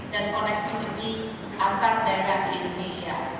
dan connectivity antar daerah di indonesia